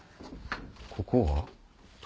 ここは？